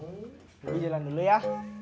ibu jalan dulu ya